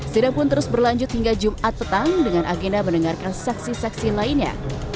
sidang pun terus berlanjut hingga jumat petang dengan agenda mendengarkan saksi saksi lainnya